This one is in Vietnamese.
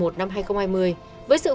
với sự phát triển của đối tượng linh